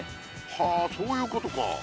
はあそういうことか。